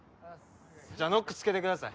じゃあノックつけてください